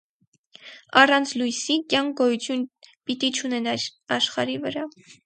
Առանց լոյսի, կեանք գոյութիւն պիտի չունենար աշխարհի վրայ։